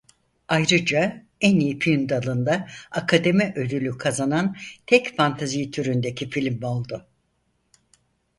Ayrıca En İyi Film dalında Akademi Ödülü kazanan tek fantezi türündeki film oldu.